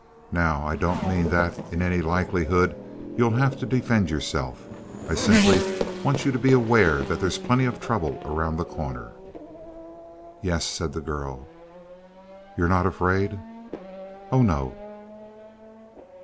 Now, I don't mean that in any likelihood you'll have to defend yourself. I simply want you to be aware that there's plenty of trouble around The Corner." "Yes," said the girl. "You're not afraid?" "Oh, no."